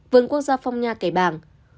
vườn quốc gia phong nha cải bàng